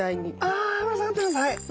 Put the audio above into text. あぶら下がってますはい。